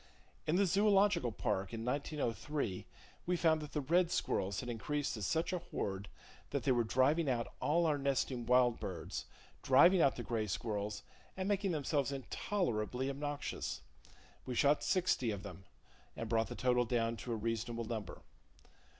In the Zoological Park, in 1903, we found that the red squirrels had increased to such a horde that they were driving out all our nesting wild birds, driving out the gray squirrels, and making themselves intolerably obnoxious. We shot sixty of them, and brought the total down to a reasonable number.